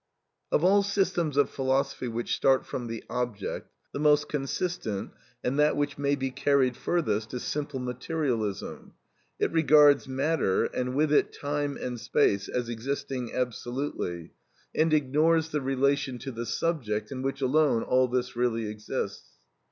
Of all systems of philosophy which start from the object, the most consistent, and that which may be carried furthest, is simple materialism. It regards matter, and with it time and space, as existing absolutely, and ignores the relation to the subject in which alone all this really exists.